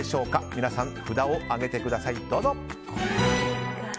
皆さん、札を上げてください。